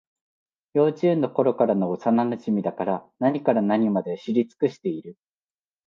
幼稚園のころからの幼なじみだから、何から何まで知り尽くしている